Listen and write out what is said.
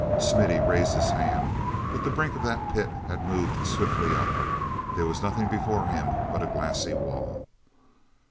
Smithy raised his hand, but the brink of that pit had moved swiftly up—there was nothing before him but a glassy wall.